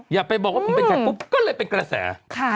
อย่าไปบอกครับก็เลยเป็นกระแส